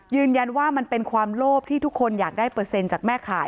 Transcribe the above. มันเป็นความโลภที่ทุกคนอยากได้เปอร์เซ็นต์จากแม่ขาย